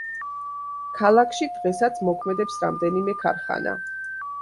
ქალაქში დღესაც მოქმედებს რამდენიმე ქარხანა.